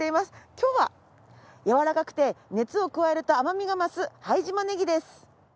今日はやわらかくて熱を加えると甘みが増す拝島ネギです。